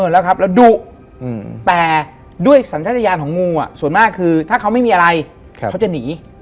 แล้วดูแต่ด้วยสัญญาณของงูส่วนมากคือถ้าเขาไม่มีอะไรเขาจะหนี